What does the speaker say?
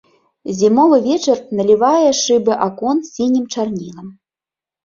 Зімовы вечар налівае шыбы акон сінім чарнілам.